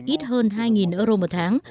ít hơn hai euro mỗi tháng